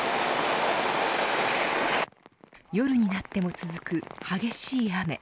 夜になっても続く激しい雨。